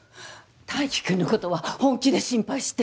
泰生君のことは本気で心配して。